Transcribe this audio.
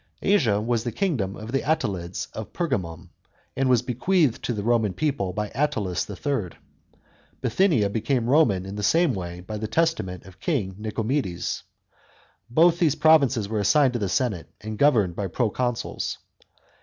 Asia was the kingdom of the Attalids of Pergamum, and was bequeathed to the Roman people by Attalus III. ; Bithynia became Roman in the same way by the testament of King Nicomedes. Both these provinces were assigned to the senate and governed by proconsuls.